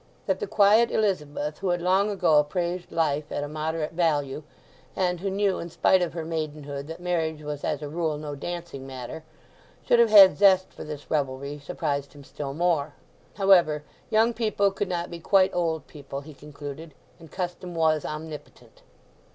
That the quiet Elizabeth, who had long ago appraised life at a moderate value, and who knew in spite of her maidenhood that marriage was as a rule no dancing matter, should have had zest for this revelry surprised him still more. However, young people could not be quite old people, he concluded, and custom was omnipotent.